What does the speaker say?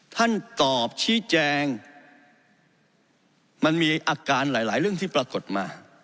ท่านตอบชี้แจงมันมีอาการหลายหลายเรื่องที่ปรากฏมา